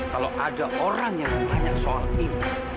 kalau ada orang yang tanya soal ini